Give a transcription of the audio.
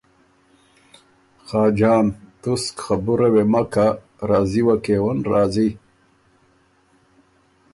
خاجان ـــ تُسک خبُره وې مک کَۀ، راضی وه کېون راضی